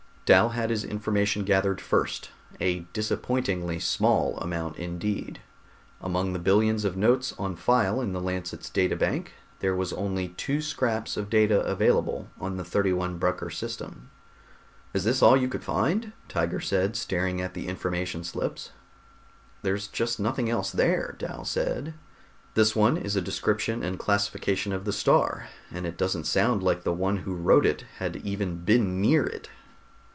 Dal had his information gathered first a disappointingly small amount indeed. Among the billions of notes on file in the Lancet's data bank, there were only two scraps of data available on the 31 Brucker system. "Is this all you could find?" Tiger said, staring at the information slips. "There's just nothing else there," Dal said. "This one is a description and classification of the star, and it doesn't sound like the one who wrote it had even been near it."